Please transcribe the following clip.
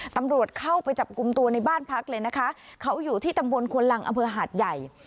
ตำรวจเข้าไปจับกลุ่มตัวในบ้านพักเลยนะคะเขาอยู่ที่ตำบลควนลังอำเภอหาดใหญ่